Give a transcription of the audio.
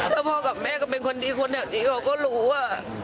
ถ้าพ่อกับแม่ก็เป็นคนดีคนแถวนี้เขาก็รู้ว่า